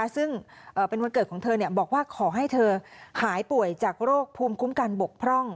ซึ่งเป็นวันเกิดของเธอบอกว่าขอให้เธอหายป่วยจากโรคภูมิคุ้มกันบกพร่อง